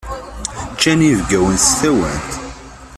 Ččan yinebgawen s tawant.